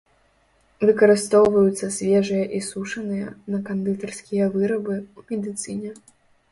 Выкарыстоўваюцца свежыя і сушаныя, на кандытарскія вырабы, у медыцыне.